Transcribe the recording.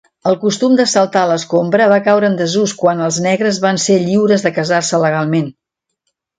El costum de saltar l'escombra va caure en desús quan els negres van ser lliures de casar-se legalment.